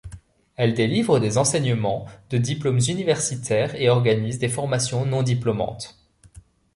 Elle délivre des enseignements de Diplômes Universitaires et organise des formations non diplômantes.